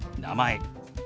「名前」。